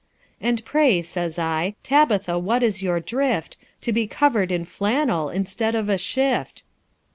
' And pray,' says I, 'Tabitha, what is your drift, To be cover'd in flannel instead of a shift